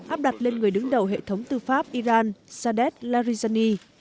áp đặt lên người đứng đầu hệ thống tư pháp iran sadek larijani